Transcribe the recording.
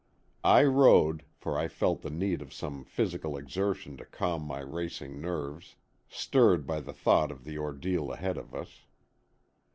I rowed, for I felt the need of some physical exertion to calm my racing nerves, stirred by the thought of the ordeal ahead of us.